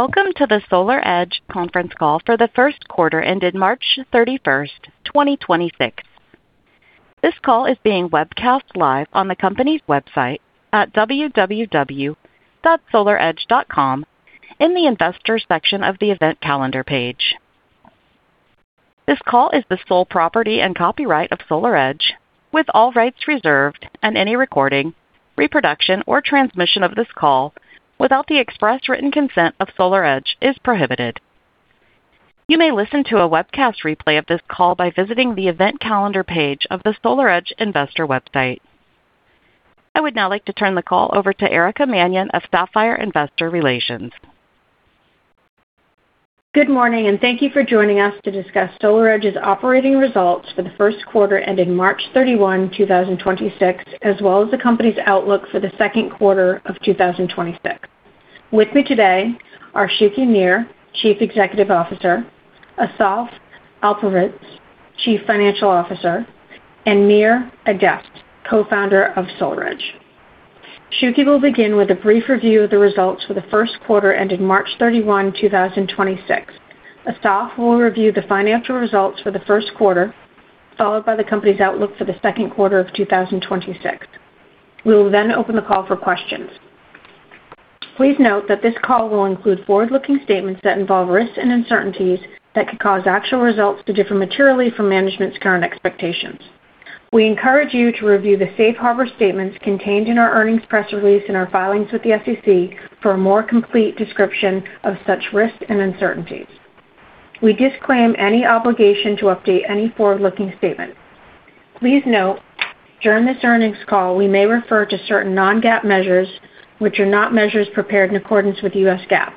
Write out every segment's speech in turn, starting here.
Welcome to the SolarEdge Conference Call for the first quarter ended March 31st, 2026. This call is being webcast live on the company's website at www.solaredge.com in the investor section of the event calendar page. This call is the sole property and copyright of SolarEdge with all rights reserved and any recording, reproduction or transmission of this call without the express written consent of SolarEdge is prohibited. You may listen to a webcast replay of this call by visiting the event calendar page of the SolarEdge investor website. I would now like to turn the call over to Erica Mannion of Sapphire Investor Relations. Good morning. Thank you for joining us to discuss SolarEdge's operating results for the first quarter ending March 31, 2026, as well as the company's outlook for the second quarter of 2026. With me today are Shuki Nir, Chief Executive Officer, Asaf Alperovitz, Chief Financial Officer, and Meir Adest, Co-founder of SolarEdge. Shuki will begin with a brief review of the results for the first quarter ending March 31, 2026. Asaf will review the financial results for the first quarter, followed by the company's outlook for the second quarter of 2026. We will open the call for questions. Please note that this call will include forward-looking statements that involve risks and uncertainties that could cause actual results to differ materially from management's current expectations. We encourage you to review the Safe Harbor statements contained in our earnings press release and our filings with the SEC for a more complete description of such risks and uncertainties. We disclaim any obligation to update any forward-looking statements. Please note, during this earnings call, we may refer to certain non-GAAP measures which are not measures prepared in accordance with US GAAP.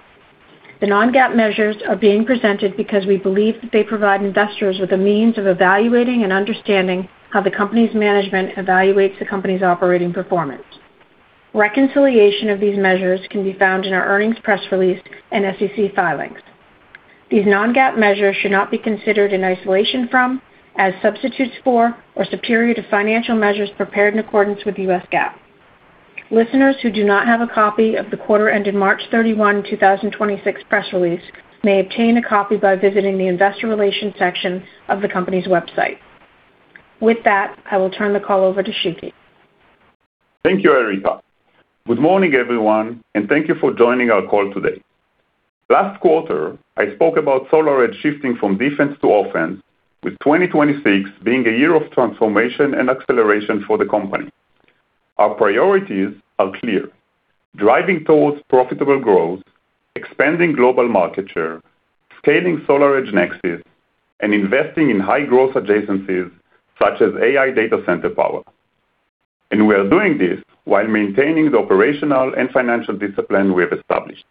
The non-GAAP measures are being presented because we believe that they provide investors with a means of evaluating and understanding how the company's management evaluates the company's operating performance. Reconciliation of these measures can be found in our earnings press release and SEC filings. These non-GAAP measures should not be considered in isolation from, as substitutes for, or superior to financial measures prepared in accordance with US GAAP. Listeners who do not have a copy of the quarter ending March 31, 2026 press release may obtain a copy by visiting the investor relations section of the company's website. With that, I will turn the call over to Shuki. Thank you, Erica. Good morning, everyone, and thank you for joining our call today. Last quarter, I spoke about SolarEdge shifting from defense to offense, with 2026 being a year of transformation and acceleration for the company. Our priorities are clear: driving towards profitable growth, expanding global market share, scaling SolarEdge Nexis, and investing in high growth adjacencies such as AI data center power. We are doing this while maintaining the operational and financial discipline we have established.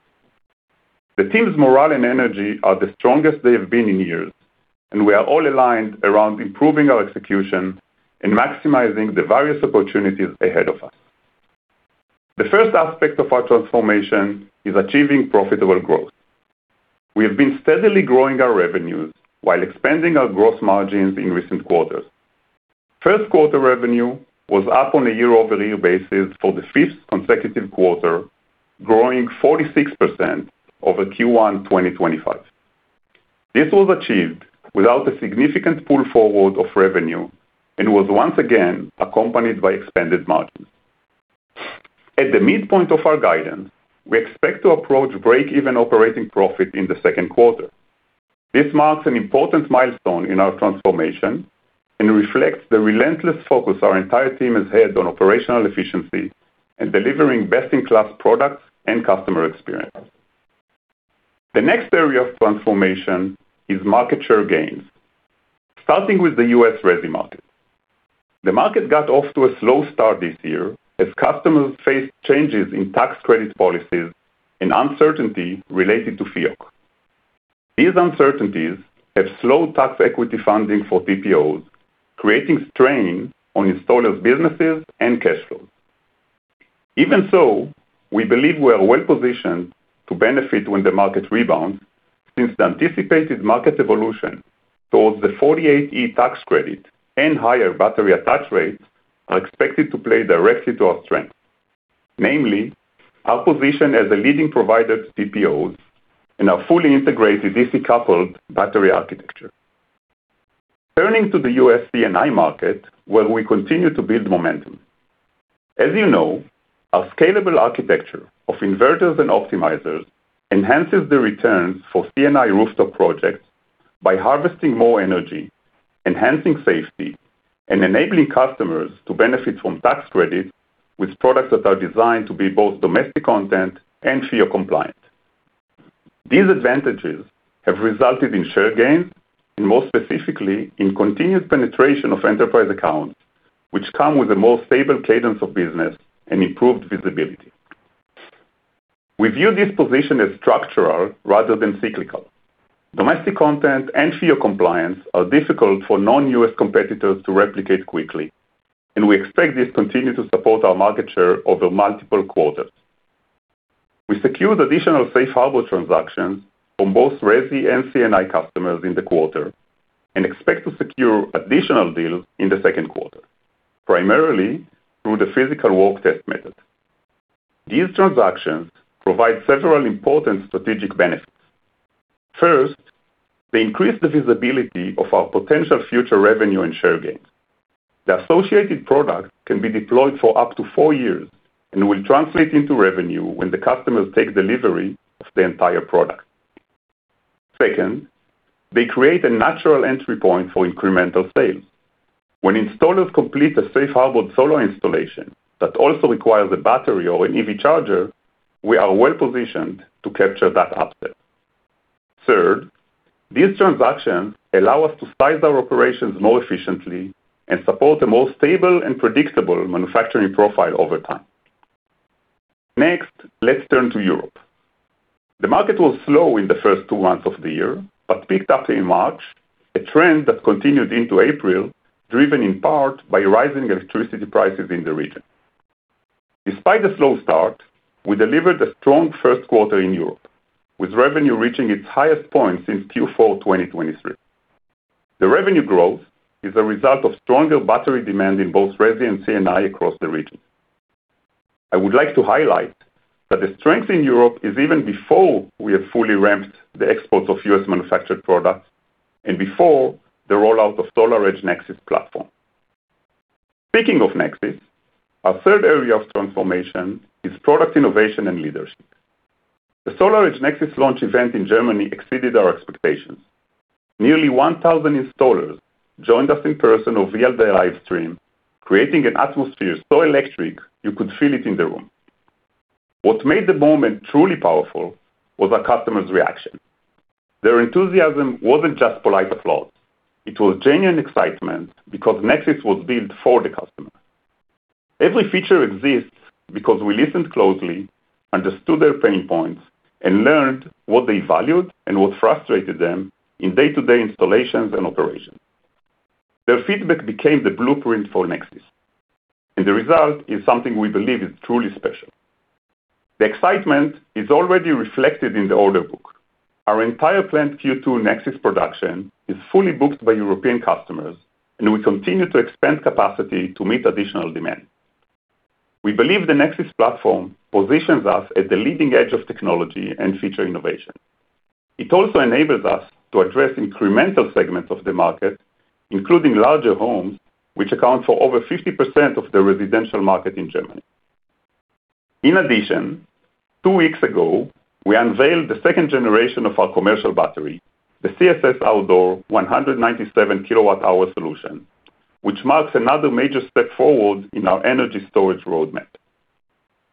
The team's morale and energy are the strongest they have been in years. We are all aligned around improving our execution and maximizing the various opportunities ahead of us. The first aspect of our transformation is achieving profitable growth. We have been steadily growing our revenues while expanding our growth margins in recent quarters. First quarter revenue was up on a year-over-year basis for the fifth consecutive quarter, growing 46% over Q1 2025. This was achieved without a significant pull forward of revenue and was once again accompanied by expanded margins. At the midpoint of our guidance, we expect to approach break-even operating profit in the second quarter. This marks an important milestone in our transformation and reflects the relentless focus our entire team has had on operational efficiency and delivering best-in-class products and customer experience. The next area of transformation is market share gains, starting with the U.S. residential market. The market got off to a slow start this year as customers faced changes in tax credit policies and uncertainty related to FEOC. These uncertainties have slowed tax equity funding for TPOs, creating strain on installers' businesses and cash flows. Even so, we believe we are well-positioned to benefit when the market rebounds, since the anticipated market evolution towards the 48E tax credit and higher battery attach rates are expected to play directly to our strength. Namely, our position as a leading provider to TPOs and our fully integrated DC coupled battery architecture. Turning to the U.S. C&I market, where we continue to build momentum. As you know, our scalable architecture of inverters and optimizers enhances the returns for C&I rooftop projects by harvesting more energy, enhancing safety, and enabling customers to benefit from tax credits with products that are designed to be both Domestic Content and FEOC compliant. These advantages have resulted in share gains and, more specifically, in continued penetration of enterprise accounts, which come with a more stable cadence of business and improved visibility. We view this position as structural rather than cyclical. Domestic Content and FEOC compliance are difficult for non-U.S. competitors to replicate quickly. We expect this to continue to support our market share over multiple quarters. We secured additional Safe Harbor transactions from both residential and C&I customers in the quarter. We expect to secure additional deals in the second quarter. Primarily through the Physical Work Test method. These transactions provide several important strategic benefits. First, they increase the visibility of our potential future revenue and share gains. The associated product can be deployed for up to 4 years. It will translate into revenue when the customers take delivery of the entire product. Second, they create a natural entry point for incremental sales. When installers complete a Safe Harbor solar installation that also requires a battery or an EV charger, we are well-positioned to capture that upsell. Third, these transactions allow us to size our operations more efficiently and support a more stable and predictable manufacturing profile over time. Let's turn to Europe. The market was slow in the first 2 months of the year, but picked up in March, a trend that continued into April, driven in part by rising electricity prices in the region. Despite the slow start, we delivered a strong first quarter in Europe, with revenue reaching its highest point since Q4 2023. The revenue growth is a result of stronger battery demand in both resi and C&I across the region. I would like to highlight that the strength in Europe is even before we have fully ramped the exports of U.S.-manufactured products and before the rollout of SolarEdge Nexis platform. Speaking of Nexis, our third area of transformation is product innovation and leadership. The SolarEdge Nexis launch event in Germany exceeded our expectations. Nearly 1,000 installers joined us in person or via the live stream, creating an atmosphere so electric you could feel it in the room. What made the moment truly powerful was our customers' reaction. Their enthusiasm wasn't just polite applause. It was genuine excitement because Nexis was built for the customer. Every feature exists because we listened closely, understood their pain points, and learned what they valued and what frustrated them in day-to-day installations and operations. Their feedback became the blueprint for Nexis, and the result is something we believe is truly special. The excitement is already reflected in the order book. Our entire planned Q2 Nexis production is fully booked by European customers, and we continue to expand capacity to meet additional demand. We believe the Nexis platform positions us at the leading edge of technology and future innovation. It also enables us to address incremental segments of the market, including larger homes, which account for over 50% of the residential market in Germany. In addition, 2 weeks ago, we unveiled the second generation of our commercial battery, the CSS Outdoor 197 kWh solution, which marks another major step forward in our energy storage roadmap.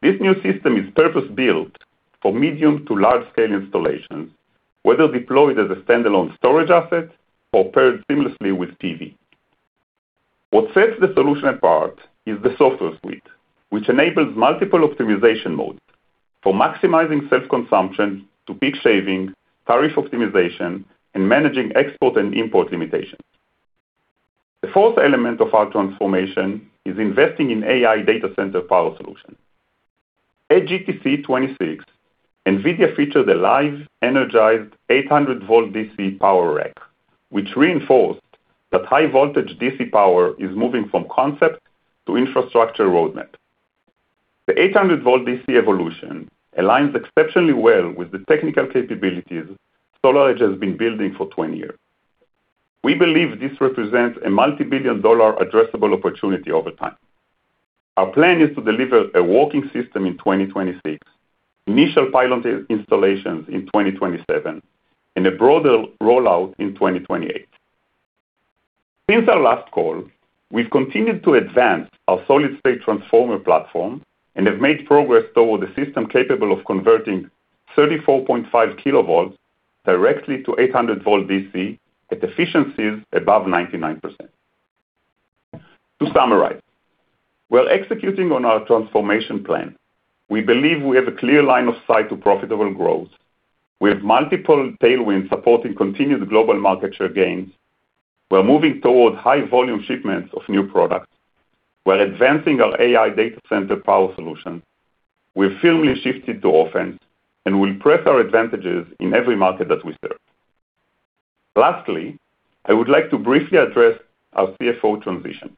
This new system is purpose-built for medium to large-scale installations, whether deployed as a standalone storage asset or paired seamlessly with PV. What sets the solution apart is the software suite, which enables multiple optimization modes for maximizing self-consumption to peak shaving, tariff optimization, and managing export and import limitations. The fourth element of our transformation is investing in AI data center power solution. At GTC 2026, NVIDIA featured a live energized 800 volt DC power rack, which reinforced that high voltage DC power is moving from concept to infrastructure roadmap. The 800 volt DC evolution aligns exceptionally well with the technical capabilities SolarEdge has been building for 20 years. We believe this represents a multi-billion dollar addressable opportunity over time. Our plan is to deliver a working system in 2026, initial pilot installations in 2027, and a broader rollout in 2028. Since our last call, we've continued to advance our solid-state transformer platform and have made progress toward a system capable of converting 34.5 kV directly to 800 volt DC at efficiencies above 99%. To summarize, we are executing on our transformation plan. We believe we have a clear line of sight to profitable growth. We have multiple tailwinds supporting continued global market share gains. We are moving towards high volume shipments of new products. We are advancing our AI data center power solution. We have firmly shifted to offense, and we press our advantages in every market that we serve. Lastly, I would like to briefly address our CFO transition.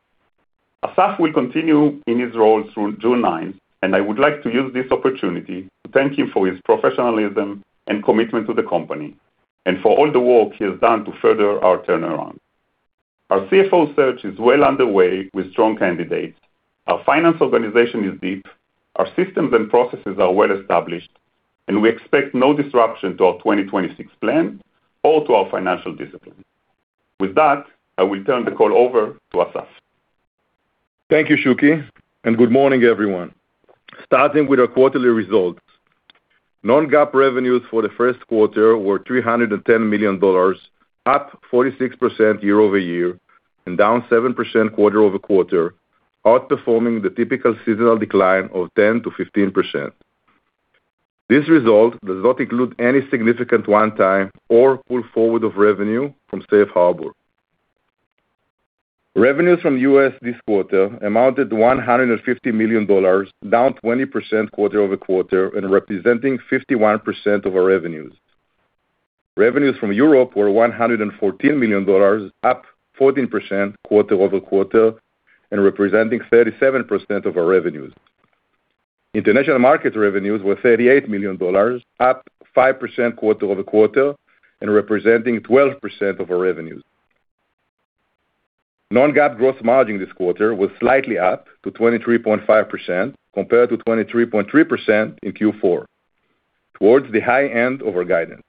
Asaf will continue in his role through June 9th, and I would like to use this opportunity to thank him for his professionalism and commitment to the company, and for all the work he has done to further our turnaround. Our CFO search is well underway with strong candidates. Our finance organization is deep, our systems and processes are well established, and we expect no disruption to our 2026 plan or to our financial discipline. With that, I will turn the call over to Asaf. Thank you, Shuki, and good morning, everyone. Starting with our quarterly results. Non-GAAP revenues for the first quarter were $310 million, up 46% year-over-year and down 7% quarter-over-quarter, outperforming the typical seasonal decline of 10%-15%. This result does not include any significant one-time or pull forward of revenue from Safe Harbor. Revenues from U.S. this quarter amounted $150 million, down 20% quarter-over-quarter and representing 51% of our revenues. Revenues from Europe were $114 million, up 14% quarter-over-quarter and representing 37% of our revenues. International market revenues were $38 million, up 5% quarter-over-quarter and representing 12% of our revenues. Non-GAAP gross margin this quarter was slightly up to 23.5% compared to 23.3% in Q4 towards the high end of our guidance.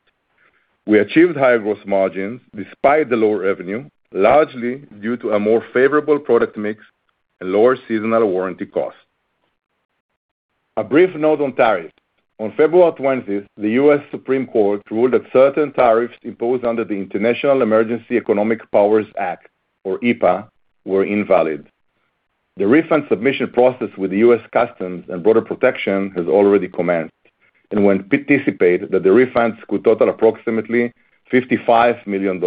We achieved higher gross margins despite the lower revenue, largely due to a more favorable product mix and lower seasonal warranty costs. A brief note on tariffs. On February 20th, the U.S. Supreme Court ruled that certain tariffs imposed under the International Emergency Economic Powers Act, or IEEPA, were invalid. The refund submission process with the U.S. Customs and Border Protection has already commenced and we anticipate that the refunds could total approximately $55 million.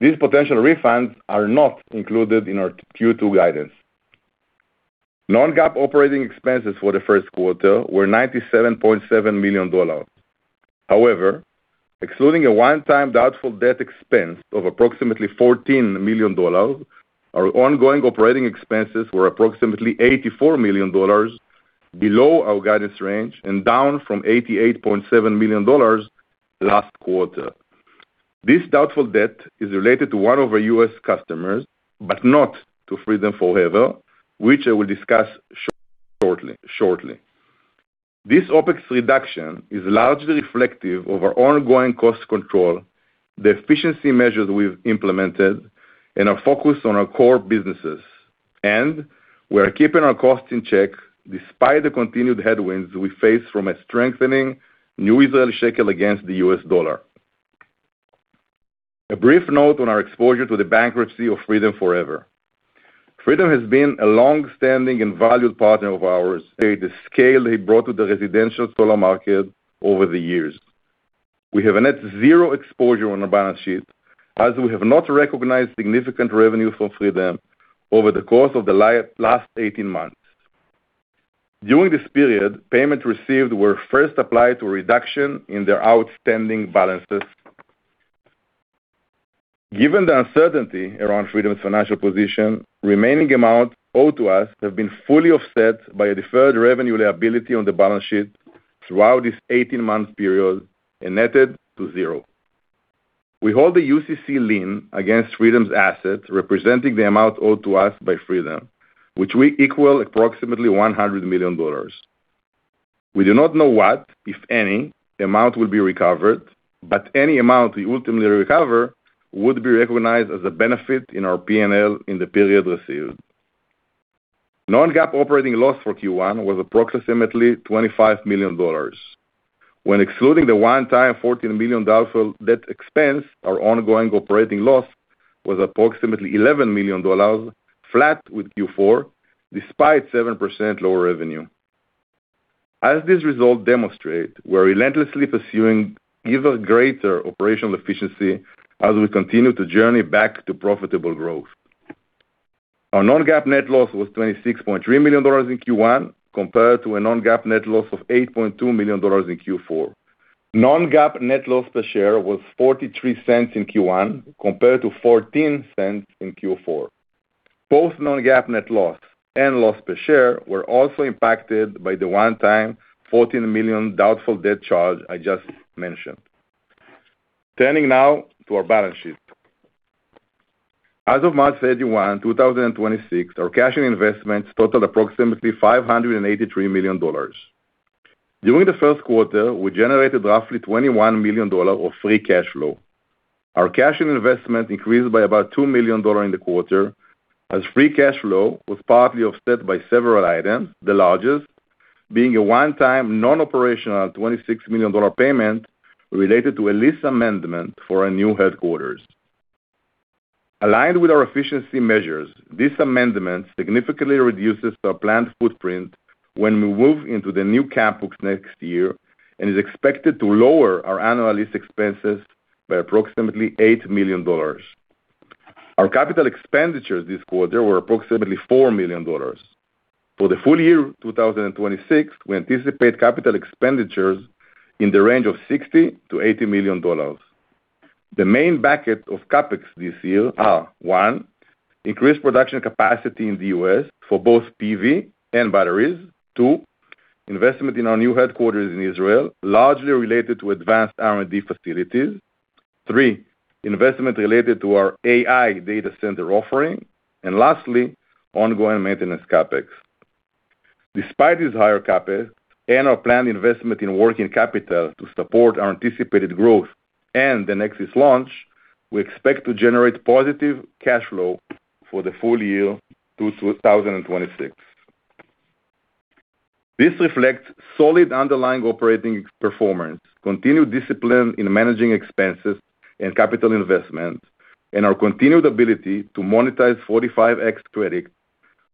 These potential refunds are not included in our Q2 guidance. Non-GAAP operating expenses for the first quarter were $97.7 million. Excluding a one-time doubtful debt expense of approximately $14 million, our ongoing operating expenses were approximately $84 million below our guidance range and down from $88.7 million last quarter. This doubtful debt is related to one of our U.S. customers, but not to Freedom Forever, which I will discuss shortly. This OpEx reduction is largely reflective of our ongoing cost control, the efficiency measures we've implemented, and our focus on our core businesses. We are keeping our costs in check despite the continued headwinds we face from a strengthening new Israeli shekel against the U.S. dollar. A brief note on our exposure to the bankruptcy of Freedom Forever. Freedom has been a long-standing and valued partner of ours, and the scale they brought to the residential solar market over the years. We have a net zero exposure on our balance sheet as we have not recognized significant revenue from Freedom over the course of the last 18 months. During this period, payments received were first applied to a reduction in their outstanding balances. Given the uncertainty around Freedom's financial position, remaining amount owed to us have been fully offset by a deferred revenue liability on the balance sheet throughout this 18-month period and netted to zero. We hold the UCC lien against Freedom's assets, representing the amount owed to us by Freedom, which will equal approximately $100 million. We do not know what, if any, amount will be recovered, but any amount we ultimately recover would be recognized as a benefit in our P&L in the period received. Non-GAAP operating loss for Q1 was approximately $25 million. When excluding the one-time $14 million doubtful debt expense, our ongoing operating loss was approximately $11 million, flat with Q4, despite 7% lower revenue. As this result demonstrate, we're relentlessly pursuing even greater operational efficiency as we continue to journey back to profitable growth. Our non-GAAP net loss was $26.3 million in Q1 compared to a non-GAAP net loss of $8.2 million in Q4. Non-GAAP net loss per share was $0.43 in Q1 compared to $0.14 in Q4. Both non-GAAP net loss and loss per share were also impacted by the one-time $14 million doubtful debt charge I just mentioned. Turning now to our balance sheet. As of March 31, 2026, our cash and investments totaled approximately $583 million. During the first quarter, we generated roughly $21 million of free cash flow. Our cash and investment increased by about $2 million in the quarter as free cash flow was partly offset by several items, the largest being a one-time non-operational $26 million payment related to a lease amendment for our new headquarters. Aligned with our efficiency measures, this amendment significantly reduces our planned footprint when we move into the new campus next year and is expected to lower our annual lease expenses by approximately $8 million. Our capital expenditures this quarter were approximately $4 million. For the full year 2026, we anticipate capital expenditures in the range of $60 million-$80 million. The main buckets of CapEx this year are, one, increased production capacity in the U.S. for both PV and batteries. Two, investment in our new headquarters in Israel, largely related to advanced R&D facilities. Three, investment related to our AI data center offering. Lastly, ongoing maintenance CapEx. Despite this higher CapEx and our planned investment in working capital to support our anticipated growth and the Nexis launch, we expect to generate positive cash flow for the full year 2026. This reflects solid underlying operating performance, continued discipline in managing expenses and capital investments, and our continued ability to monetize 45X credits,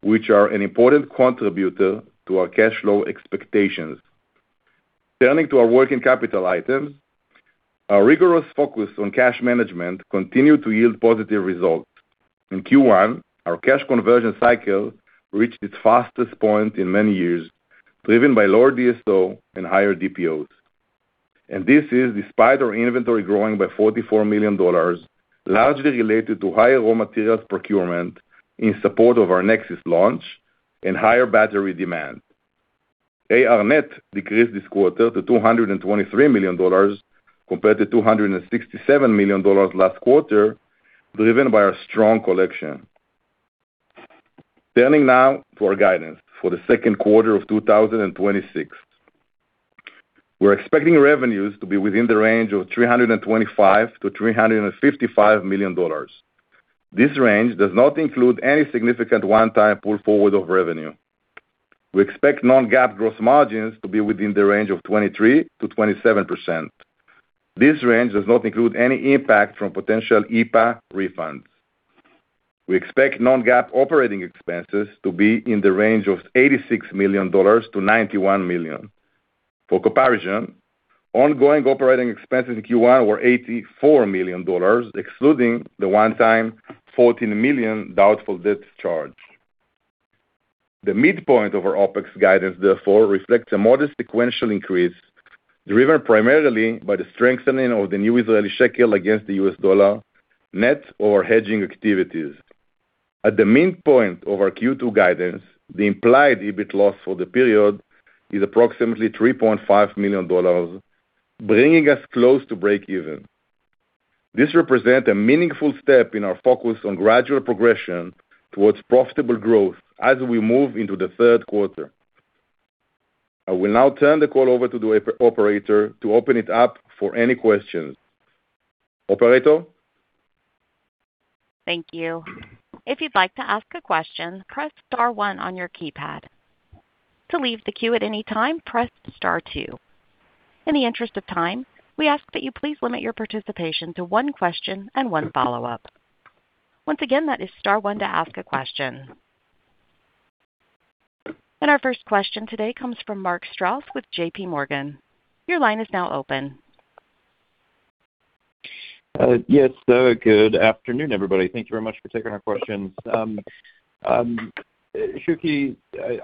which are an important contributor to our cash flow expectations. Turning to our working capital items, our rigorous focus on cash management continued to yield positive results. In Q1, our cash conversion cycle reached its fastest point in many years, driven by lower DSO and higher DPOs. This is despite our inventory growing by $44 million, largely related to higher raw materials procurement in support of our Nexis launch and higher battery demand. AR net decreased this quarter to $223 million compared to $267 million last quarter, driven by our strong collection. Turning now to our guidance for the second quarter of 2026. We're expecting revenues to be within the range of $325 million-$355 million. This range does not include any significant one-time pull forward of revenue. We expect non-GAAP gross margins to be within the range of 23%-27%. This range does not include any impact from potential IEEPA refunds. We expect non-GAAP operating expenses to be in the range of $86 million-$91 million. For comparison, ongoing operating expenses in Q1 were $84 million, excluding the one-time $14 million doubtful debt charge. The midpoint of our OpEx guidance, therefore, reflects a modest sequential increase, driven primarily by the strengthening of the new Israeli shekel against the US dollar, net of hedging activities. At the midpoint of our Q2 guidance, the implied EBIT loss for the period is approximately $3.5 million, bringing us close to breakeven. This represents a meaningful step in our focus on gradual progression towards profitable growth as we move into the third quarter. I will now turn the call over to the operator to open it up for any questions. Operator? Thank you. If you'd like to ask a question, press star one on your keypad. To leave the queue at any time, press star two. In the interest of time, we ask that you please limit your participation to one question and one follow-up. Once again, that is star one to ask a question. Our first question today comes from Mark Strouse with JPMorgan. Your line is now open. Yes. Good afternoon, everybody. Thank you very much for taking our questions. Shuki,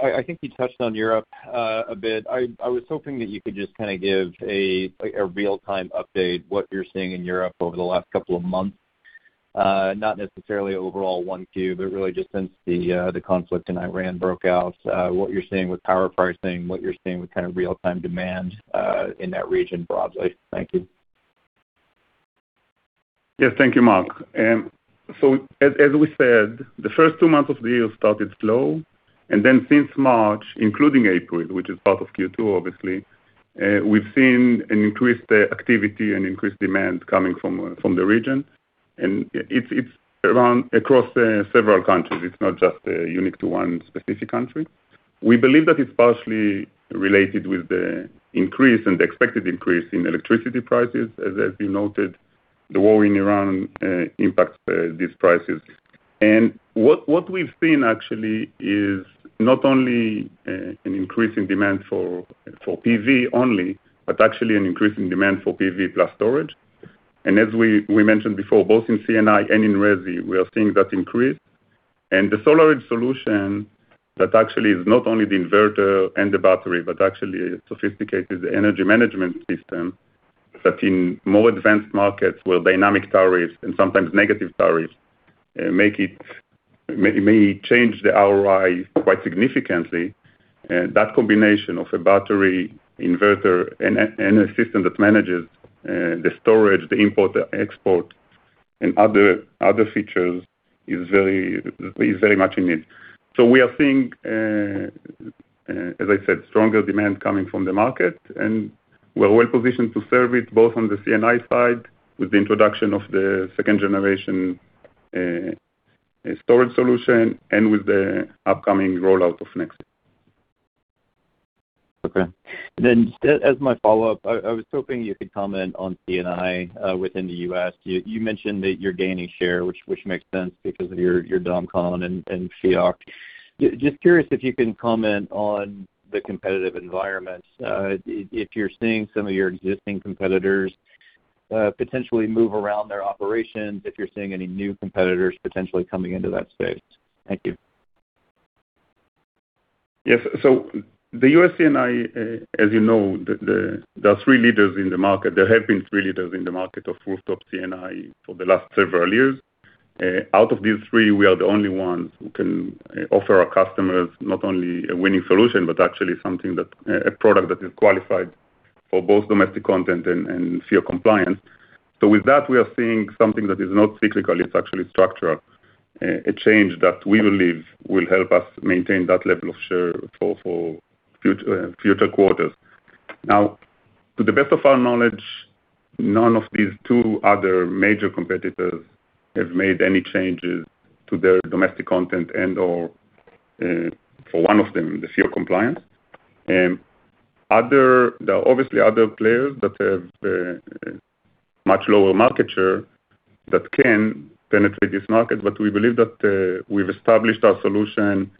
I think you touched on Europe a bit. I was hoping that you could just kind of give a real-time update, what you're seeing in Europe over the last couple of months. Not necessarily overall Q1, but really just since the conflict in Iran broke out, what you're seeing with power pricing, what you're seeing with kind of real-time demand in that region broadly. Thank you. Yes. Thank you, Mark. As we said, the first 2 months of the year started slow. Since March, including April, which is part of Q2, obviously, we've seen an increased activity and increased demand coming from the region. It's around across several countries. It's not just unique to one specific country. We believe that it's partially related with the increase and expected increase in electricity prices. As we noted, the war in Iran impacts these prices. What we've seen actually is not only an increase in demand for PV only, but actually an increase in demand for PV plus storage. As we mentioned before, both in C&I and in residential, we are seeing that increase. The solar solution that actually is not only the inverter and the battery, but actually sophisticated energy management system that in more advanced markets with dynamic tariffs and sometimes negative tariffs, may change the ROI quite significantly. That combination of a battery inverter and a system that manages the storage, the import, the export, and other features is very much in need. We are seeing, as I said, stronger demand coming from the market, and we're well-positioned to serve it both on the C&I side with the introduction of the second generation storage solution and with the upcoming rollout of Nexis. Okay. As my follow-up, I was hoping you could comment on C&I within the U.S. You mentioned that you're gaining share, which makes sense because of your Domestic Content and FEOC. Just curious if you can comment on the competitive environment, if you're seeing some of your existing competitors potentially move around their operations, if you're seeing any new competitors potentially coming into that space. Thank you. Yes. The U.S. C&I, as you know, there are three leaders in the market. There have been three leaders in the market of rooftop C&I for the last several years. Out of these three, we are the only ones who can offer our customers not only a winning solution, but actually something that a product that is qualified for both Domestic Content and FEOC compliance. With that, we are seeing something that is not cyclical, it's actually structural, a change that we believe will help us maintain that level of share for future quarters. To the best of our knowledge, none of these two other major competitors have made any changes to their Domestic Content and/or, for one of them, the FEOC compliance. There are obviously other players that have much lower market share that can penetrate this market. We believe that we've established our solution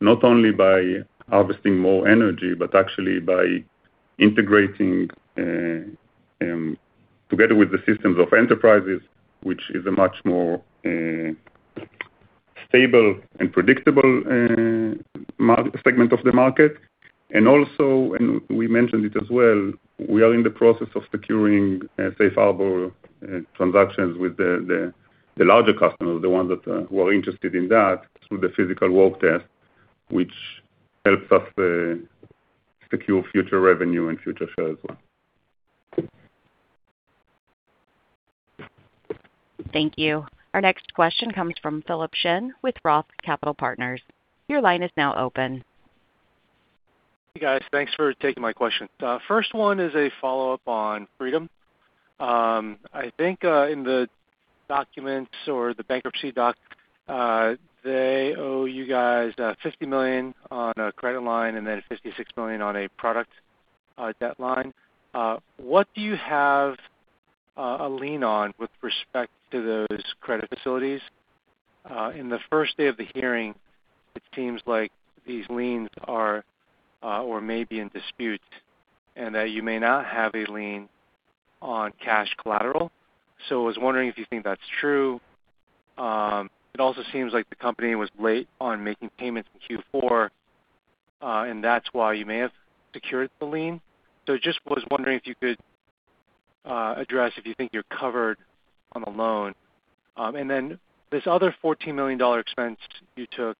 not only by harvesting more energy, but actually by Integrating together with the systems of enterprises, which is a much more stable and predictable segment of the market. We mentioned it as well, we are in the process of securing a Safe Harbor transactions with the larger customers, the ones that who are interested in that through the Physical Work Test, which helps us secure future revenue and future sales. Thank you. Our next question comes from Philip Shen with Roth Capital Partners. Your line is now open. Hey, guys. Thanks for taking my question. First one is a follow-up on Freedom. I think in the documents or the bankruptcy doc, they owe you guys $50 million on a credit line and then $56 million on a product debt line. What do you have a lien on with respect to those credit facilities? In the first day of the hearing, it seems like these liens are or may be in dispute and that you may not have a lien on cash collateral. I was wondering if you think that's true. It also seems like the company was late on making payments in Q4, and that's why you may have secured the lien. Just was wondering if you could address if you think you're covered on the loan. Then this other $14 million expense you took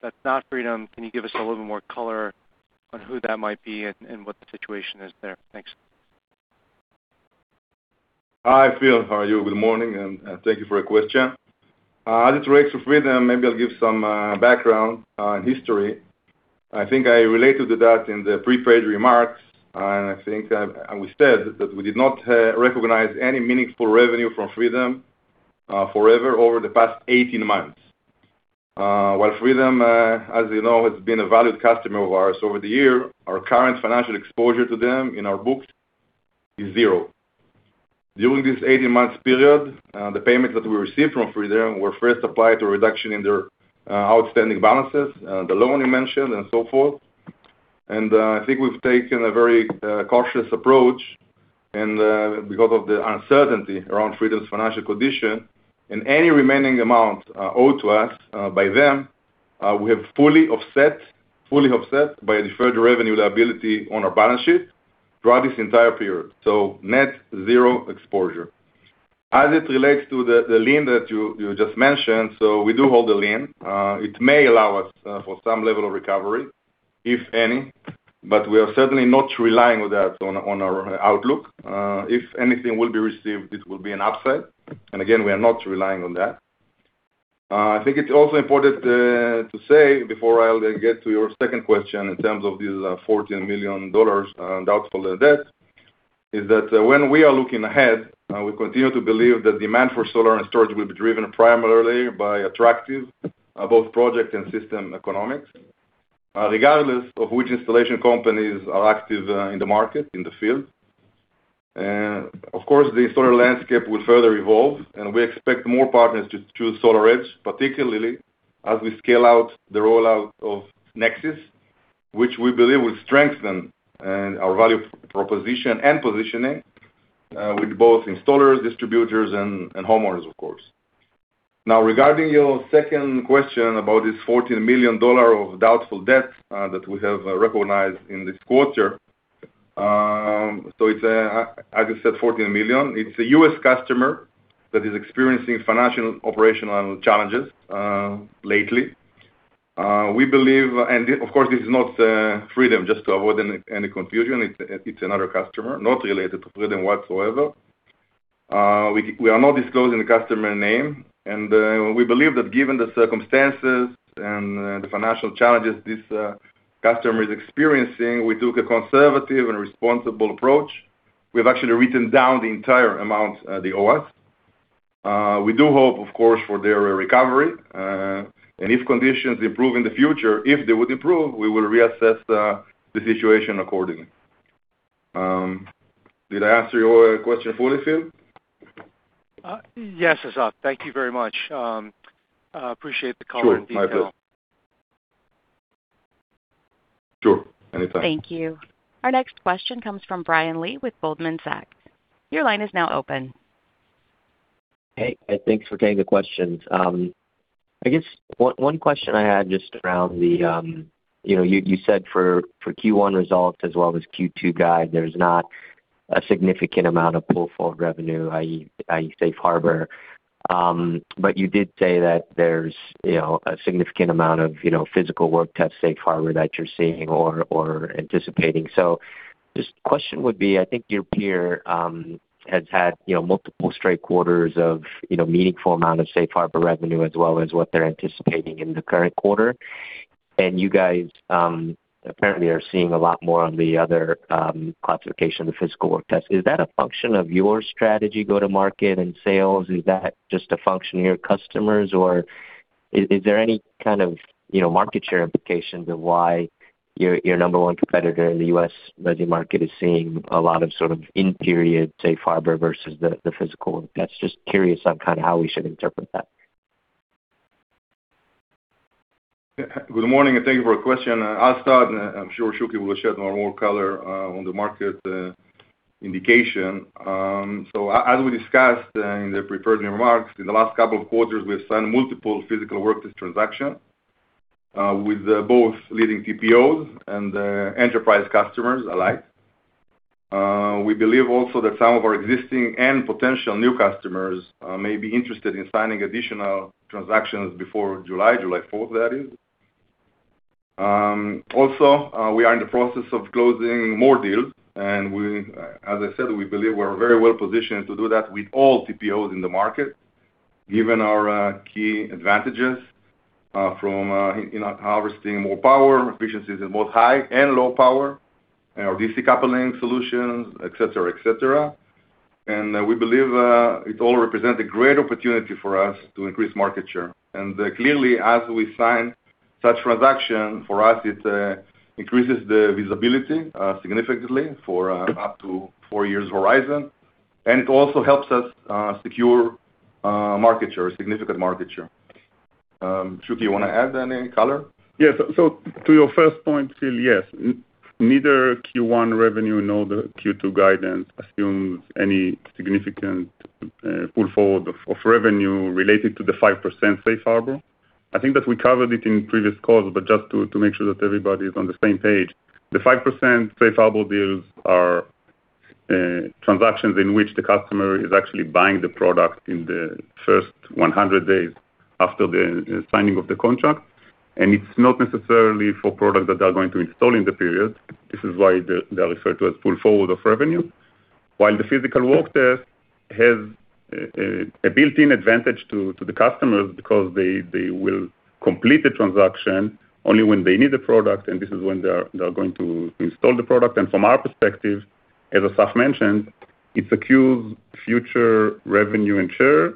that's not Freedom, can you give us a little more color on who that might be and what the situation is there? Thanks. Hi, Philip. How are you? Good morning, thank you for your question. As it relates to Freedom, maybe I'll give some background and history. I think I related to that in the prepared remarks, I think we said that we did not recognize any meaningful revenue from Freedom Forever over the past 18 months. While Freedom, as you know, has been a valued customer of ours over the year, our current financial exposure to them in our books is zero. During this 18 months period, the payments that we received from Freedom were first applied to a reduction in their outstanding balances, the loan you mentioned and so forth. I think we've taken a very cautious approach, because of the uncertainty around Freedom's financial condition, and any remaining amount owed to us by them, we have fully offset by a deferred revenue liability on our balance sheet throughout this entire period. Net zero exposure. As it relates to the lien that you just mentioned, we do hold the lien. It may allow us for some level of recovery, if any, but we are certainly not relying on that on our outlook. If anything will be received, it will be an offset. Again, we are not relying on that. I think it's also important to say before I'll get to your second question in terms of this $14 million doubtful debt, is that when we are looking ahead, we continue to believe that demand for solar and storage will be driven primarily by attractive both project and system economics, regardless of which installation companies are active in the market, in the field. Of course, the solar landscape will further evolve, and we expect more partners to choose SolarEdge, particularly as we scale out the rollout of Nexis, which we believe will strengthen our value proposition and positioning with both installers, distributors and homeowners, of course. Now regarding your second question about this $14 million of doubtful debt that we have recognized in this quarter. It's as you said, $14 million. It's a U.S. customer that is experiencing financial operational challenges lately. We believe, and of course, this is not Freedom, just to avoid any confusion. It's another customer, not related to Freedom whatsoever. We are not disclosing the customer name. We believe that given the circumstances and the financial challenges this customer is experiencing, we took a conservative and responsible approach. We've actually written down the entire amount they owe us. We do hope, of course, for their recovery. If conditions improve in the future, if they would improve, we will reassess the situation accordingly. Did I answer your question fully, Phil? Yes, Asaf. Thank you very much. I appreciate the color and detail. Sure. My pleasure. Sure. Anytime. Thank you. Our next question comes from Brian Lee with Goldman Sachs. Your line is now open. Hey. Thanks for taking the questions. I guess one question I had just around the, you know, you said for Q1 results as well as Q2 guide, there's not a significant amount of pull forward revenue, i.e., Safe Harbor. You did say that there's, you know, a significant amount of, you know, Physical Work Test Safe Harbor that you're seeing or anticipating. Just question would be, I think your peer has had, you know, multiple straight quarters of, you know, meaningful amount of Safe Harbor revenue as well as what they're anticipating in the current quarter. You guys apparently are seeing a lot more on the other classification of the Physical Work Test. Is that a function of your strategy go to market and sales? Is that just a function of your customers? Is there any kind of, you know, market share implications of why your number one competitor in the U.S. residential market is seeing a lot of sort of in-period Safe Harbor versus the Physical? That's just curious on kind of how we should interpret that. Good morning, and thank you for your question. I'll start, and I'm sure Shuki will shed more color on the market indication. As we discussed in the prepared remarks, in the last couple of quarters, we have signed multiple Physical Work Test transaction with both leading TPOs and enterprise customers alike. We believe also that some of our existing and potential new customers may be interested in signing additional transactions before July 4th that is. Also, we are in the process of closing more deals, and we, as I said, we believe we're very well positioned to do that with all TPOs in the market given our key advantages from, you know, harvesting more power, efficiencies in both high and low power, DC coupling solutions, et cetera. We believe it all represent a great opportunity for us to increase market share. Clearly, as we sign such transaction, for us it increases the visibility significantly for up to 4 years horizon. It also helps us secure market share, significant market share. Shuki, you want to add any color? Yes. To your first point, Phil, yes. Neither Q1 revenue nor the Q2 guidance assumes any significant pull forward of revenue related to the 5% Safe Harbor. I think that we covered it in previous calls, but just to make sure that everybody is on the same page. The 5% Safe Harbor deals are transactions in which the customer is actually buying the product in the first 100 days after the signing of the contract. It's not necessarily for product that they're going to install in the period. This is why they refer to as pull forward of revenue. While the Physical Work Test has a built-in advantage to the customers because they will complete the transaction only when they need the product, and this is when they are going to install the product. From our perspective, as Asaf mentioned, it secures future revenue and share.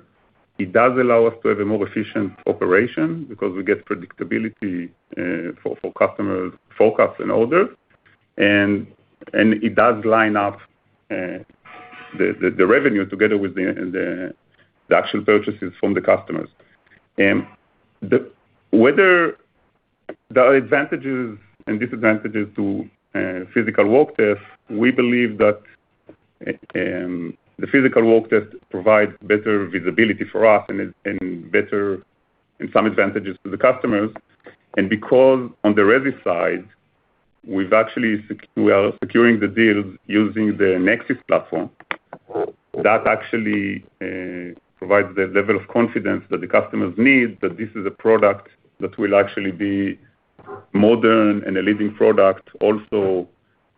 It does allow us to have a more efficient operation because we get predictability for customers forecast and orders. It does line up the revenue together with the actual purchases from the customers. Whether there are advantages and disadvantages to Physical Work Test, we believe that Physical Work Test provides better visibility for us and some advantages to the customers. Because on the resi side, we've actually we are securing the deals using the Nexis platform. That actually provides the level of confidence that the customers need, that this is a product that will actually be modern and a leading product also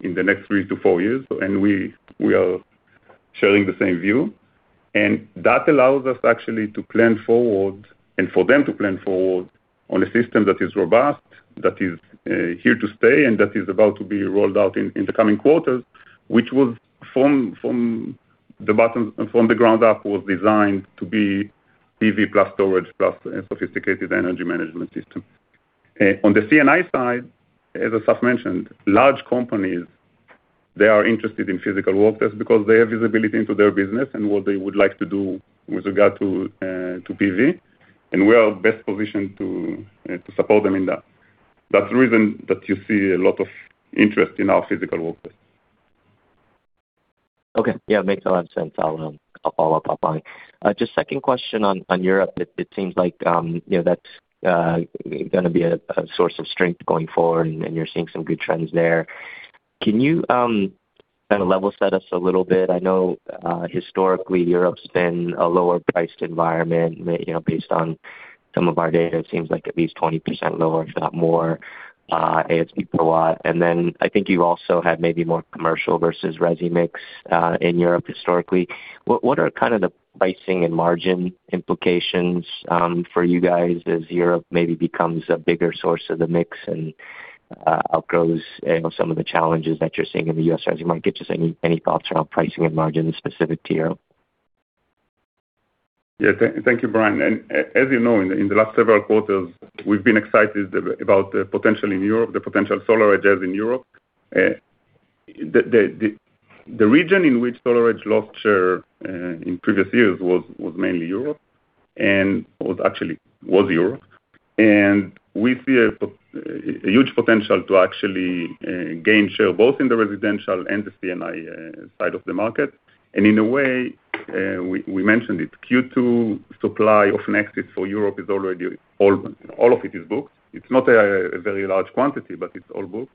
in the next 3 to 4 years. We are sharing the same view. That allows us actually to plan forward and for them to plan forward on a system that is robust, that is here to stay, and that is about to be rolled out in the coming quarters, which was from the bottom, from the ground up, was designed to be PV plus storage plus a sophisticated energy management system. On the C&I side, as Asaf mentioned, large companies, they are interested in Physical Work Tests because they have visibility into their business and what they would like to do with regard to PV. We are best positioned to support them in that. That's the reason that you see a lot of interest in our Physical Work Test. Okay. Yeah, makes a lot of sense. I'll follow up on just second question on Europe. It seems like, you know, that's gonna be a source of strength going forward, and you're seeing some good trends there. Can you kind of level set us a little bit? I know, historically Europe's been a lower priced environment. You know, based on some of our data, it seems like at least 20% lower, if not more, ASP per watt. And then I think you also had maybe more commercial versus residential mix, in Europe historically. What are kind of the pricing and margin implications for you guys as Europe maybe becomes a bigger source of the mix and outgrows, you know, some of the challenges that you're seeing in the U.S. as you might get to any thoughts around pricing and margins specific to Europe? Yeah. Thank you, Brian. As you know, in the last several quarters, we've been excited about the potential in Europe, the potential storage has in Europe. The region in which storage lost share in previous years was mainly Europe, and was actually Europe. We see a huge potential to actually gain share both in the residential and the C&I side of the market. In a way, we mentioned it, Q2 supply of Nexis for Europe is already all of it is booked. It's not a very large quantity, but it's all booked.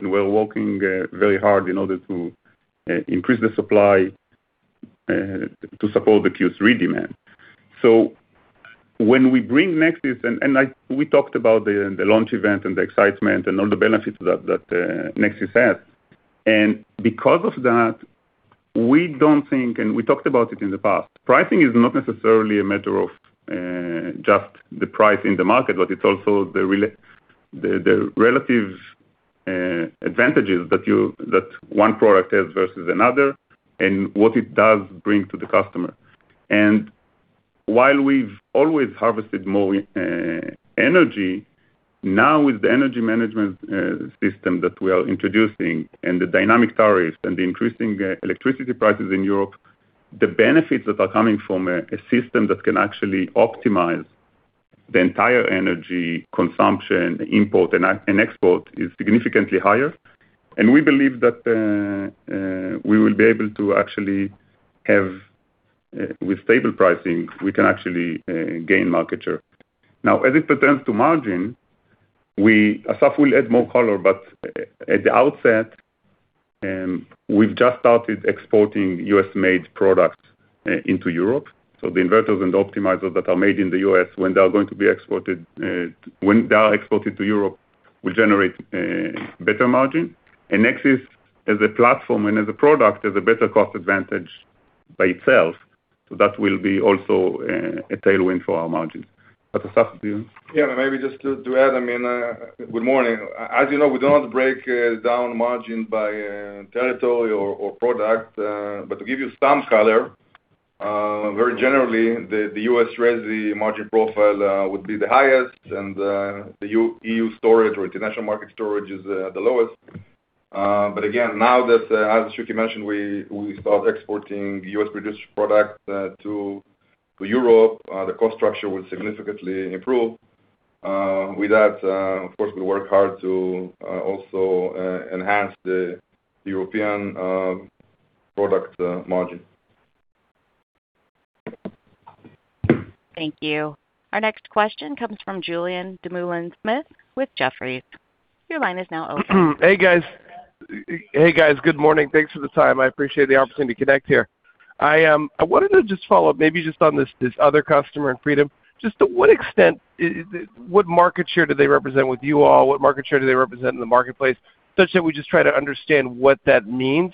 We're working very hard in order to increase the supply to support the Q3 demand. When we bring Nexis. We talked about the launch event and the excitement and all the benefits that Nexis has. Because of that, we don't think, and we talked about it in the past, pricing is not necessarily a matter of just the price in the market, but it's also the relative advantages that one product has versus another, and what it does bring to the customer. While we've always harvested more energy, now with the energy management system that we are introducing and the dynamic tariffs and the increasing electricity prices in Europe. The benefits that are coming from a system that can actually optimize the entire energy consumption, import and export is significantly higher. We believe that we will be able to actually have, with stable pricing, we can actually gain market share. Now, as it pertains to margin, Asaf will add more color, at the outset, we've just started exporting U.S.-made products into Europe. The inverters and optimizers that are made in the U.S., when they are going to be exported, when they are exported to Europe, will generate better margin. Nexis as a platform and as a product has a better cost advantage by itself. That will be also a tailwind for our margins. Asaf, do you- Yeah, maybe just to add, I mean, good morning. As you know, we don't break down margin by territory or product. But to give you some color, very generally, the U.S. residential margin profile would be the highest, and the EU storage or international market storage is the lowest. But again, now that as Shuki mentioned, we start exporting U.S.-produced product to Europe, the cost structure will significantly improve. With that, of course, we work hard to also enhance the European product margin. Thank you. Our next question comes from Julien Dumoulin-Smith with Jefferies. Your line is now open. Hey, guys. Good morning. Thanks for the time. I appreciate the opportunity to connect here. I wanted to just follow up maybe just on this other customer in Freedom Forever. Just to what extent what market share do they represent with you all? What market share do they represent in the marketplace? Such that we just try to understand what that means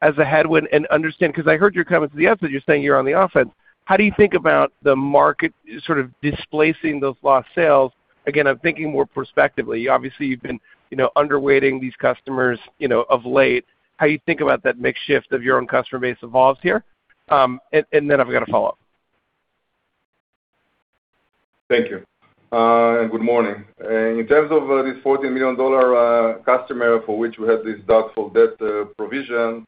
as a headwind and understand because I heard your comments in the outset, you're saying you're on the offense. How do you think about the market sort of displacing those lost sales? Again, I'm thinking more prospectively. Obviously, you've been, you know, underweighting these customers, you know, of late. How you think about that mix shift of your own customer base evolves here? Then I've got a follow-up. Thank you. Good morning. In terms of this $14 million customer for which we have this doubtful debt provision,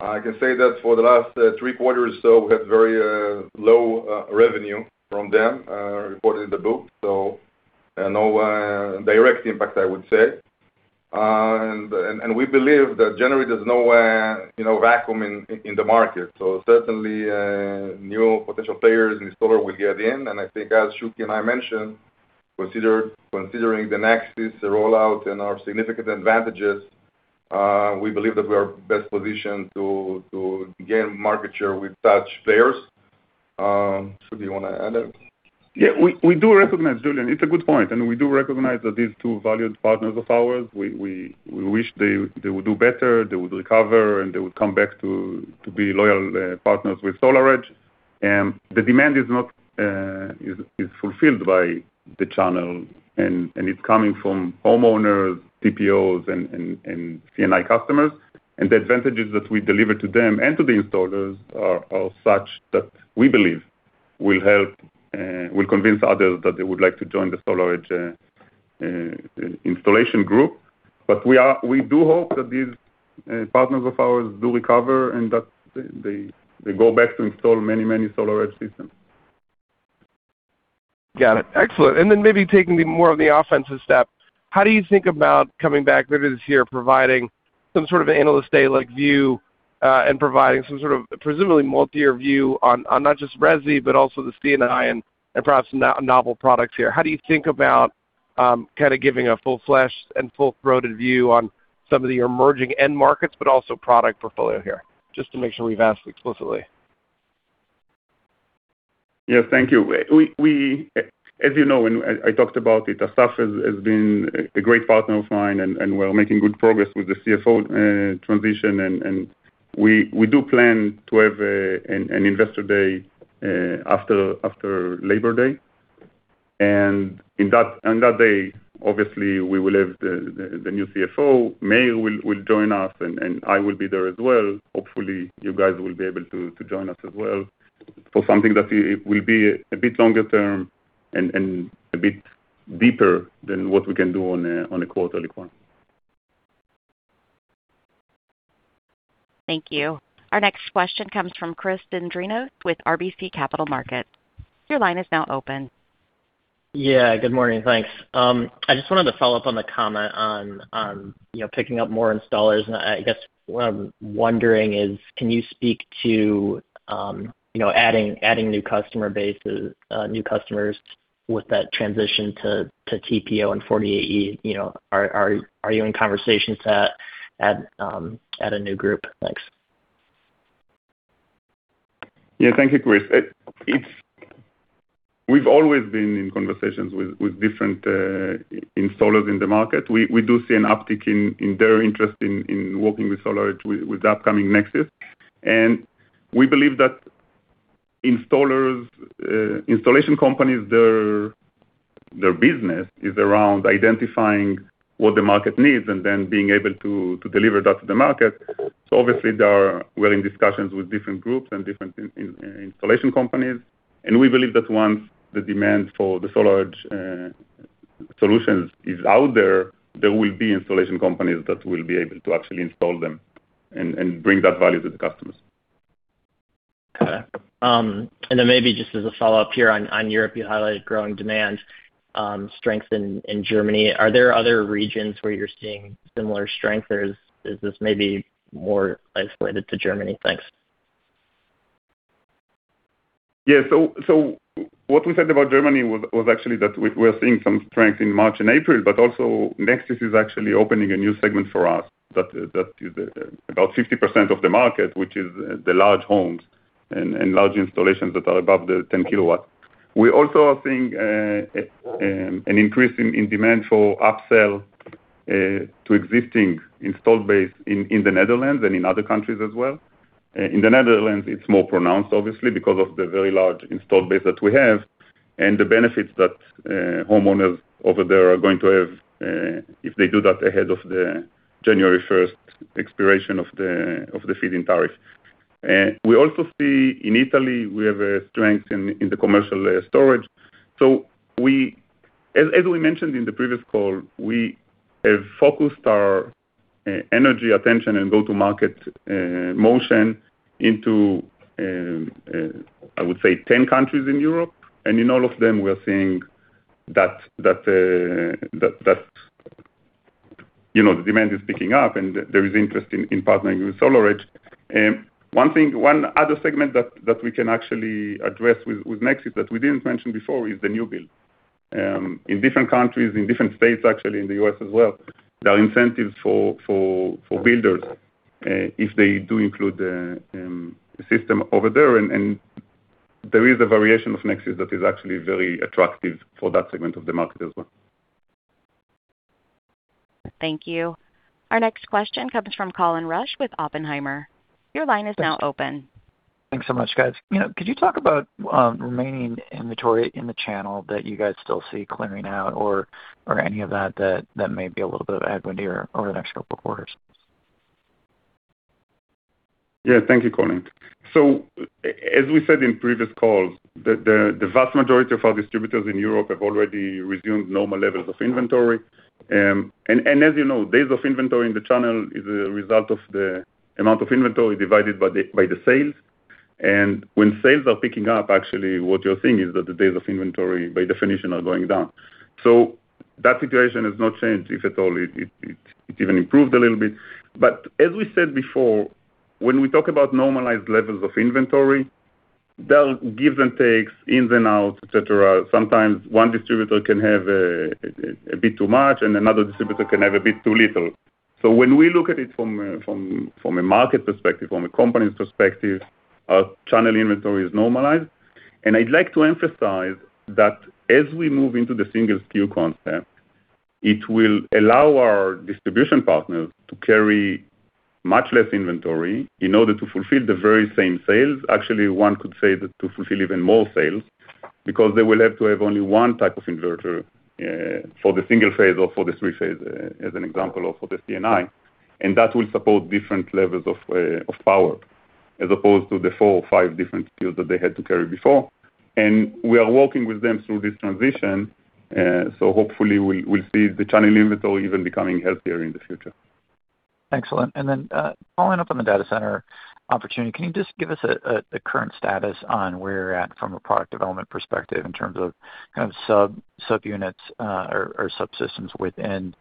I can say that for the last 3 quarters or so, we had very low revenue from them reported in the book, so no direct impact, I would say. We believe that generally there's no, you know, vacuum in the market. Certainly, new potential players and installer will get in. I think, as Shuki and I mentioned, considering the Nexis rollout and our significant advantages, we believe that we are best positioned to gain market share with such players. Shuki, you want to add it? Yeah. We do recognize, Julien. It's a good point, and we do recognize that these two valued partners of ours, we wish they would do better, they would recover, and they would come back to be loyal partners with SolarEdge. The demand is not fulfilled by the channel, and it's coming from homeowners, TPOs and C&I customers. The advantages that we deliver to them and to the installers are such that we believe will help, will convince others that they would like to join the SolarEdge installation group. We do hope that these partners of ours do recover and that they go back to install many SolarEdge systems. Got it. Excellent. Then maybe taking the more of the offensive step, how do you think about coming back later this year providing some sort of an Analyst Day-like view, and providing some sort of presumably multi-year view on not just residential, but also the C&I and perhaps new, novel products here? How do you think about kind of giving a full-fleshed and full-throated view on some of your emerging end markets, but also product portfolio here? Just to make sure we've asked explicitly. Yes, thank you. As you know, and I talked about it, Asaf has been a great partner of mine, and we're making good progress with the CFO transition. We do plan to have an Investor Day after Labor Day. In that day, obviously, we will have the new CFO. Meir will join us, and I will be there as well. Hopefully, you guys will be able to join us as well for something that it will be a bit longer term and a bit deeper than what we can do on a quarterly call. Thank you. Our next question comes from Chris Dendrinos with RBC Capital Markets. Your line is now open. Yeah. Good morning. Thanks. I just wanted to follow up on the comment on, you know, picking up more installers. I guess what I'm wondering is, can you speak to, you know, adding new customer bases, new customers with that transition to TPO and 48E? You know, are you in conversations at a new group? Thanks. Yeah. Thank you, Chris. We've always been in conversations with different installers in the market. We do see an uptick in their interest in working with SolarEdge with the upcoming Nexis. We believe that installers, installation companies, their business is around identifying what the market needs and then being able to deliver that to the market. Obviously we're in discussions with different groups and different installation companies. We believe that once the demand for the storage solutions is out there will be installation companies that will be able to actually install them and bring that value to the customers. Okay. Maybe just as a follow-up here on Europe, you highlighted growing demand, strength in Germany. Are there other regions where you're seeing similar strength, or is this maybe more isolated to Germany? Thanks. Yeah. What we said about Germany was actually that we're seeing some strength in March and April, also Nexis is opening a new segment for us that is about 60% of the market, which is the large homes and large installations that are above the 10 kW. We also are seeing an increase in demand for upsell to existing installed base in the Netherlands and in other countries as well. In the Netherlands, it's more pronounced obviously because of the very large installed base that we have and the benefits that homeowners over there are going to have if they do that ahead of the January 1 expiration of the feed-in tariff. We also see in Italy we have a strength in the commercial storage. As we mentioned in the previous call, we have focused our energy, attention, and go-to-market motion into, I would say 10 countries in Europe. In all of them we are seeing that, you know, the demand is picking up and there is interest in partnering with SolarEdge. One other segment that we can actually address with Nexis that we didn't mention before is the new build. In different countries, in different states actually in the U.S. as well, there are incentives for builders if they do include the system over there. There is a variation of Nexis that is actually very attractive for that segment of the market as well. Thank you. Our next question comes from Colin Rusch with Oppenheimer. Your line is now open. Thanks so much, guys. You know, could you talk about remaining inventory in the channel that you guys still see clearing out or any of that that may be a little bit of headwind here over the next couple quarters? Thank you, Colin. As we said in previous calls, the vast majority of our distributors in Europe have already resumed normal levels of inventory. As you know, days of inventory in the channel is a result of the amount of inventory divided by the sales. When sales are picking up, actually what you're seeing is that the days of inventory by definition are going down. That situation has not changed. If at all, it even improved a little bit. As we said before, when we talk about normalized levels of inventory, there are gives and takes, ins and outs, et cetera. Sometimes one distributor can have a bit too much, and another distributor can have a bit too little. When we look at it from a market perspective, from a company's perspective, our channel inventory is normalized. I'd like to emphasize that as we move into the single SKU concept, it will allow our distribution partners to carry much less inventory in order to fulfill the very same sales. Actually, one could say that to fulfill even more sales, because they will have to have only one type of inverter, for the one phase or for the three phase, as an example, or for the C&I. That will support different levels of power as opposed to the four or five different SKUs that they had to carry before. We are working with them through this transition, so hopefully we'll see the channel inventory even becoming healthier in the future. Excellent. Following up on the data center opportunity, can you just give us a current status on where you're at from a product development perspective in terms of kind of sub-subunits or subsystems within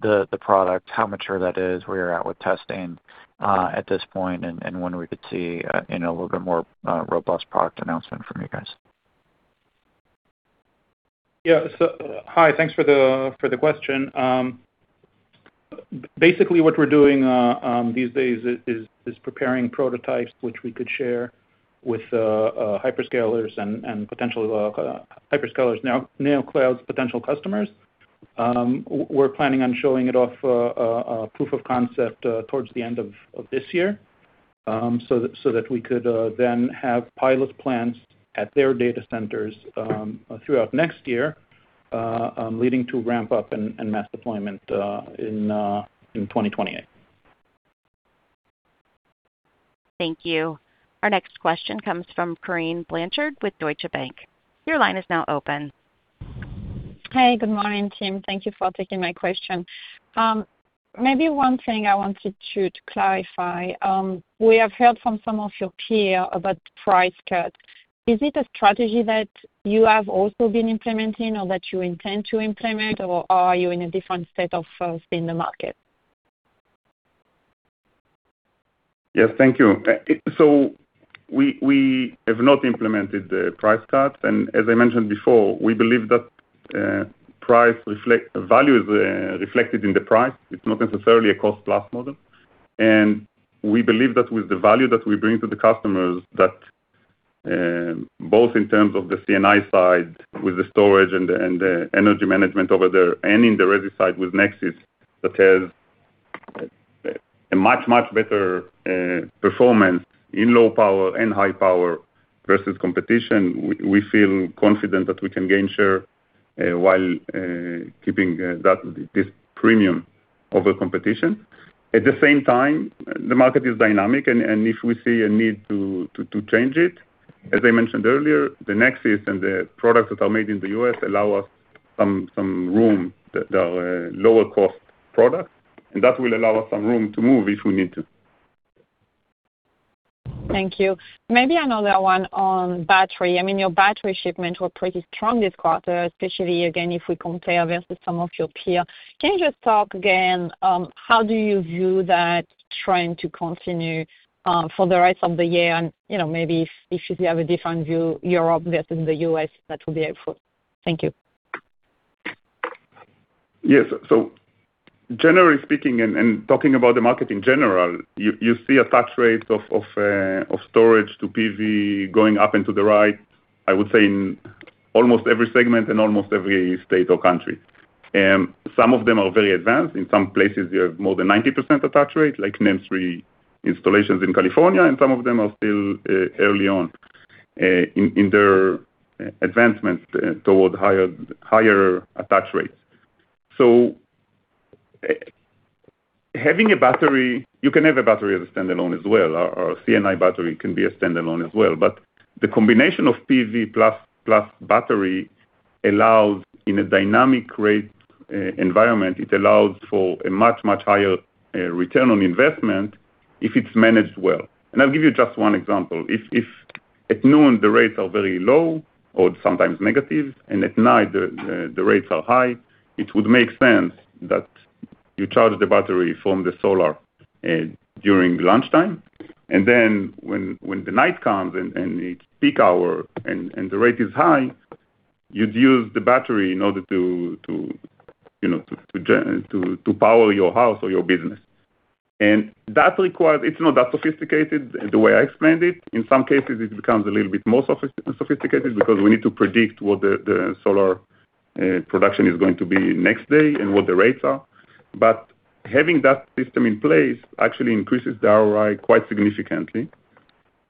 the product, how mature that is, where you're at with testing at this point, and when we could see a little bit more robust product announcement from you guys? Yeah. Hi, thanks for the question. Basically what we're doing these days is preparing prototypes which we could share with hyperscalers and potential hyperscalers non cloud's potential customers. We're planning on showing it off a proof of concept towards the end of this year so that we could then have pilot plans at their data centers throughout next year leading to ramp up and mass deployment in 2028. Thank you. Our next question comes from Corinne Blanchard with Deutsche Bank. Your line is now open. Hey, good morning, team. Thank you for taking my question. Maybe one thing I wanted to clarify, we have heard from some of your peer about price cut. Is it a strategy that you have also been implementing or that you intend to implement, or are you in a different state of in the market? Yes, thank you. We have not implemented the price cut. As I mentioned before, we believe that value is reflected in the price. It's not necessarily a cost plus model. We believe that with the value that we bring to the customers, both in terms of the C&I side with the storage and the energy management over there, and in the residential side with Nexis that has a much better performance in low power and high power versus competition, we feel confident that we can gain share while keeping this premium over competition. At the same time, the market is dynamic, and if we see a need to change it, as I mentioned earlier, the Nexis and the products that are made in the U.S. allow us some room. They are lower cost products, and that will allow us some room to move if we need to. Thank you. Maybe another one on battery. I mean, your battery shipments were pretty strong this quarter, especially again, if we compare versus some of your peer. Can you just talk again, how do you view that trend to continue for the rest of the year? You know, maybe if you have a different view, Europe versus the U.S., that would be helpful. Thank you. Yes. Generally speaking, and talking about the market in general, you see attach rate of storage to PV going up into the right, I would say in almost every segment, in almost every state or country. Some of them are very advanced. In some places, you have more than 90% attach rate, like NEM 3.0 installations in California, some of them are still early on in their advancement toward higher attach rates. Having a battery, you can have a battery as a standalone as well, or C&I battery can be a standalone as well. The combination of PV plus battery allows in a dynamic rate environment, it allows for a much higher return on investment if it's managed well. I'll give you just one example. If at noon the rates are very low or sometimes negative, at night the rates are high, it would make sense that you charge the battery from the solar during lunchtime. When the night comes and it's peak hour and the rate is high, you'd use the battery in order to, you know, to power your house or your business. It's not that sophisticated the way I explained it. In some cases, it becomes a little bit more sophisticated because we need to predict what the solar production is going to be next day and what the rates are. Having that system in place actually increases the ROI quite significantly.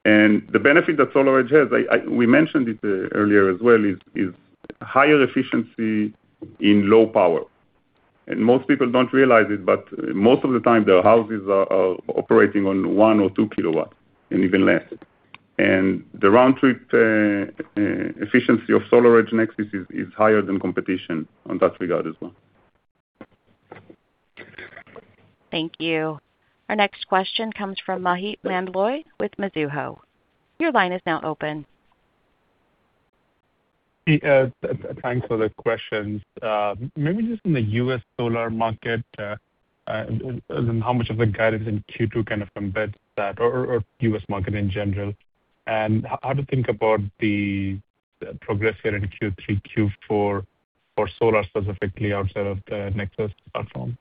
The benefit that SolarEdge has, we mentioned it earlier as well, is higher efficiency in low power. Most people don't realize it, but most of the time their houses are operating on 1 or 2 kW and even less. The round trip efficiency of SolarEdge Nexis is higher than competition on that regard as well. Thank you. Our next question comes from Maheep Mandloi with Mizuho. Your line is now open. Yeah. Thanks for the questions. Maybe just in the U.S. solar market and how much of the guidance in Q2 kind of embeds that or U.S. market in general? How to think about the progress here in Q3, Q4 for solar specifically outside of the Nexis platform?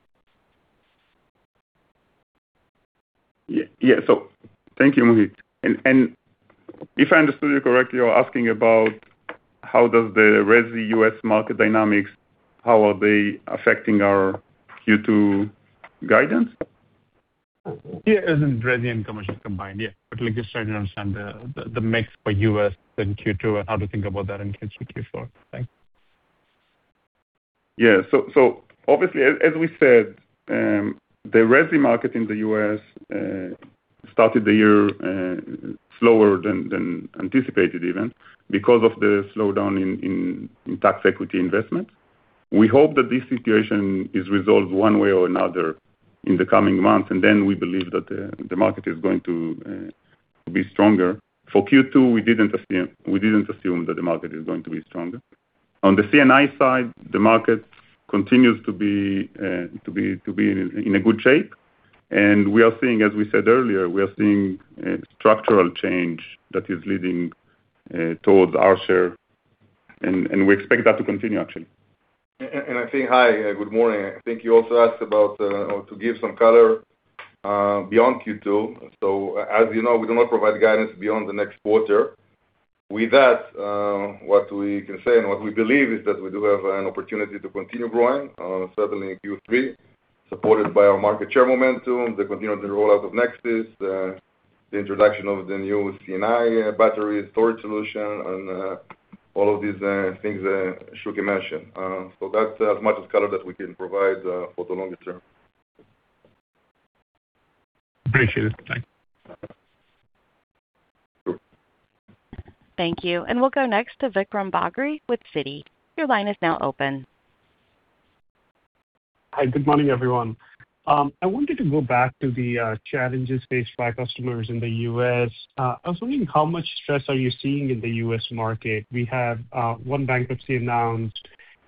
Thank you, Maheep. If I understood you correctly, you're asking about how does the residential U.S. market dynamics, how are they affecting our Q2 guidance? Yeah, as in residential and commercial combined, yeah. Like, just trying to understand the mix for U.S. in Q2 and how to think about that in Q3, Q4? Thanks. Obviously, as we said, the residential market in the U.S. started the year slower than anticipated even because of the slowdown in tax equity investment. We hope that this situation is resolved one way or another in the coming months, then we believe that the market is going to be stronger. For Q2, we didn't assume that the market is going to be stronger. On the C&I side, the market continues to be in a good shape. We are seeing, as we said earlier, we are seeing a structural change that is leading towards our share, and we expect that to continue actually. Hi, good morning. I think you also asked about, or to give some color, beyond Q2. As you know, we do not provide guidance beyond the next quarter. With that, what we can say and what we believe is that we do have an opportunity to continue growing, certainly in Q3, supported by our market share momentum, the continued rollout of Nexis, the introduction of the new C&I battery storage solution and, all of these things Shuki mentioned. That's as much as color that we can provide for the longer term. Appreciate it. Thanks. Thank you. We'll go next to Vikram Bagri with Citi. Your line is now open. Hi, good morning, everyone. I wanted to go back to the challenges faced by customers in the U.S. I was wondering how much stress are you seeing in the U.S. market. We have one bankruptcy announced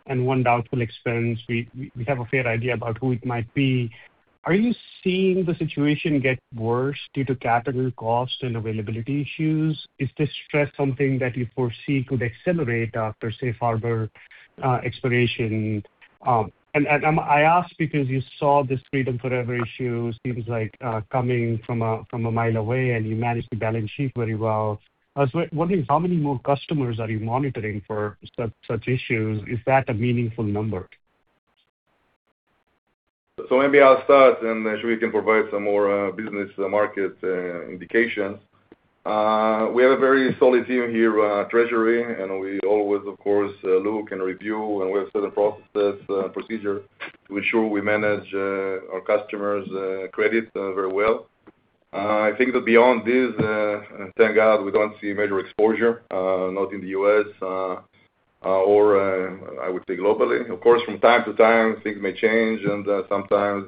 and one doubtful expense. We have a fair idea about who it might be. Are you seeing the situation get worse due to capital cost and availability issues? Is this stress something that you foresee could accelerate after Safe Harbor expiration? I ask because you saw this Freedom Forever issues, things like coming from a mile away, and you managed the balance sheet very well. I was wondering how many more customers are you monitoring for such issues. Is that a meaningful number? Maybe I'll start, and then Shuki can provide some more business market indications. We have a very solid team here, treasury, and we always of course look and review, and we have certain processes, procedure to ensure we manage our customers' credit very well. I think that beyond this, thank God we don't see major exposure, not in the U.S. or, I would say globally. Of course, from time to time things may change and sometimes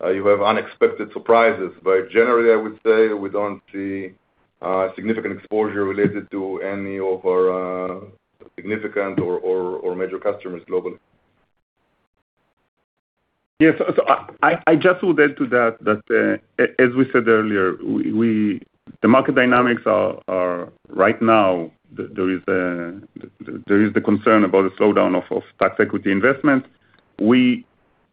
you have unexpected surprises. Generally, I would say we don't see significant exposure related to any of our significant or major customers globally. Yes. I just would add to that as we said earlier, the market dynamics are right now there is the concern about the slowdown of tax equity investment. We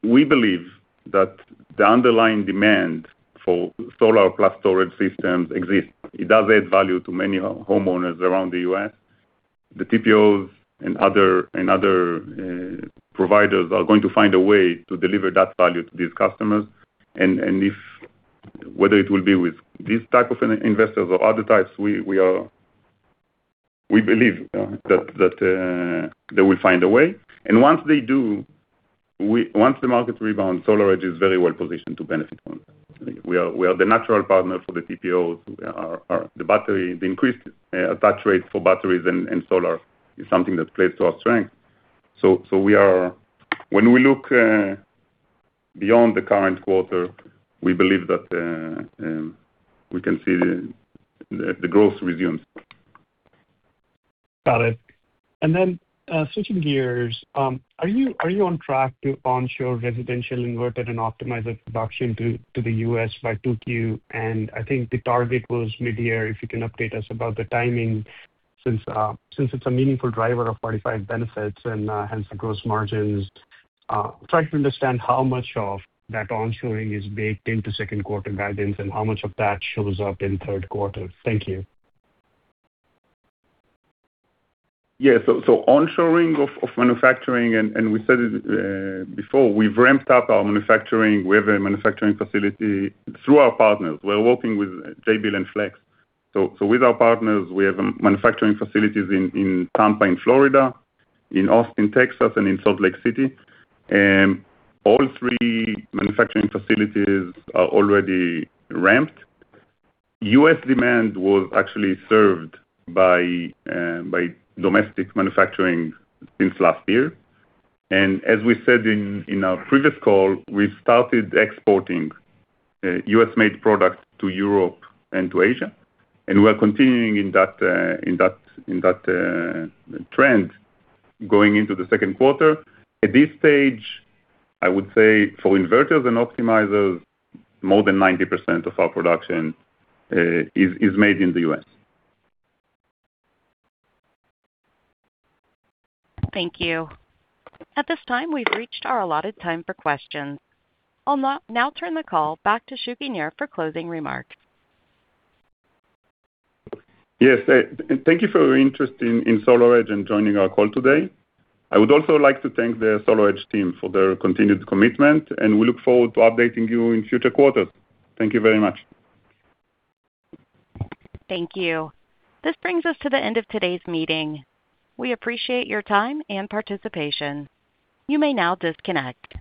believe that the underlying demand for solar plus storage systems exists. It does add value to many homeowners around the U.S. The TPOs and other providers are going to find a way to deliver that value to these customers and if whether it will be with these type of investors or other types, we believe that they will find a way. Once they do, once the markets rebound, SolarEdge is very well positioned to benefit from that. We are the natural partner for the TPOs. The increased attach rate for batteries and solar is something that plays to our strength. When we look beyond the current quarter, we believe that we can see the growth resumes. Got it. Then, switching gears, are you on track to onshore residential inverter and optimizer production to the U.S. by 2Q? I think the target was mid-year, if you can update us about the timing since it's a meaningful driver of 45X benefits and hence the gross margins. Try to understand how much of that onshoring is baked into second quarter guidance, and how much of that shows up in third quarter. Thank you. Yeah. Onshoring of manufacturing, and we said it before, we've ramped up our manufacturing. We have a manufacturing facility through our partners. We're working with Jabil and Flex. With our partners, we have manufacturing facilities in Tampa, in Florida, in Austin, Texas, and in Salt Lake City, and all three manufacturing facilities are already ramped. U.S. demand was actually served by domestic manufacturing since last year. As we said in our previous call, we started exporting U.S.-made product to Europe and to Asia, and we're continuing in that trend going into the second quarter. At this stage, I would say for inverters and optimizers, more than 90% of our production is made in the U.S. Thank you. At this time, we've reached our allotted time for questions. I'll now turn the call back to Shuki Nir for closing remarks. Yes. Thank you for your interest in SolarEdge and joining our call today. I would also like to thank the SolarEdge team for their continued commitment, and we look forward to updating you in future quarters. Thank you very much. Thank you. This brings us to the end of today's meeting. We appreciate your time and participation. You may now disconnect.